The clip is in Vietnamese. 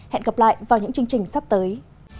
hẹn gặp lại vào những chương trình sắp tới